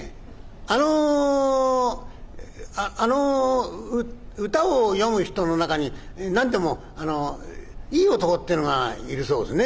あのあの歌を詠む人の中に何でもあのいい男ってぇのがいるそうですね？」。